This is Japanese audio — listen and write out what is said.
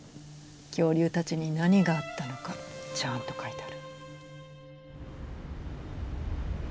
恐竜たちに何があったのかちゃんと書いてあるの。